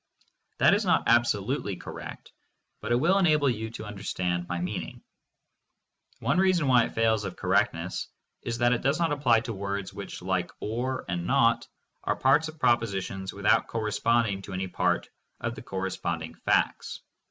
That is not absolutely correct, but it will enable you to understand my meaning. One reason why it fails of cor rectness is that it does not apply to words which, like "or" and "not," are parts of propositions without corresponding to any part of the corresponding facts.